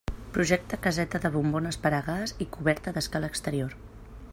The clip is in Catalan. Projecte caseta de bombones per a gas i coberta d'escala exterior.